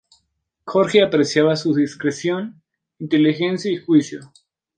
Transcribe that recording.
Jorge apreciaba su discreción, inteligencia y juicio.